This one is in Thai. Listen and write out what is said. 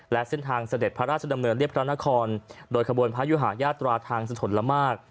และเส้นทางเสด็จพระราชดำเนินเรียบพระนครโดยขบวนพระยุหาญาตราทางสถนละมาก